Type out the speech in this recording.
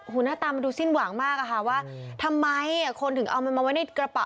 หน้าตามันดูสิ้นหวังมากอะค่ะว่าทำไมคนถึงเอามันมาไว้ในกระเป๋า